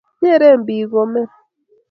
nyeren biik komen